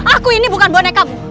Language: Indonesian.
aku ini bukan bonekamu